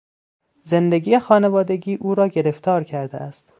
زندگی خانوادگی او را گرفتار کرده است.